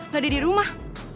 gak ada di rumah